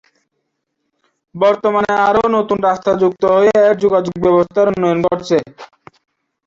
বর্তমানে আরো নতুন রাস্তা যুক্ত হয়ে এর যোগাযোগ ব্যবস্থার উন্নয়ন ঘটছে।